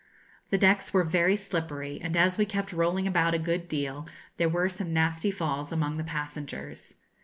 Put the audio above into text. The decks were very slippery, and as we kept rolling about a good deal there were some nasty falls among the passengers.